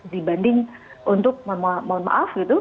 dibanding untuk mohon maaf gitu